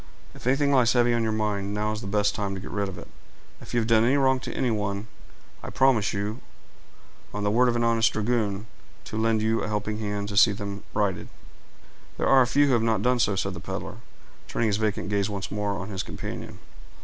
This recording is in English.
"If anything lies heavy on your mind, now is the best time to get rid of it—if you have done any wrong to anyone, I promise you, on the word of an honest dragoon, to lend you a helping hand to see them righted." "There are few who have not done so," said the peddler, turning his vacant gaze once more on his companion.